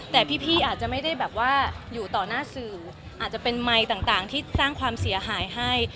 แต่พี่อาจจะไม่ได้แบบว่าอยู่ต่อหน้าสื่ออาจจะเป็นไมค์ต่างที่สร้างความเสียหายให้